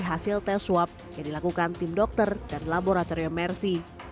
hasil tes swab yang dilakukan tim dokter dan laboratorium mersi